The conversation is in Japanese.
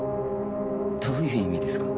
どういう意味ですか？